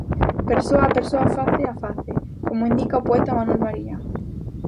'Persoa a persoa, face a face', como indica o poeta Manuel María.